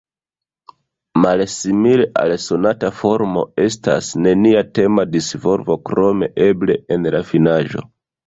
Malsimile al sonata formo, estas nenia tema disvolvo krom eble en la finaĵo.